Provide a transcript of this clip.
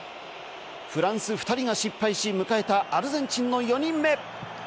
フランス２人が失敗し、迎えたアルゼンチンの４人目。